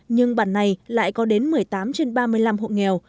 nhưng bản này lại có đến một mươi tám trên ba mươi năm hộ nghèo